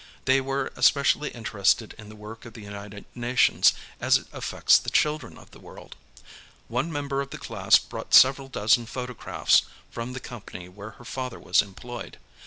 They were especially interested in the work of the United Nations as it affects the children of the world. One member of the class brought several dozen photographs from the comjiany where her father was emploved.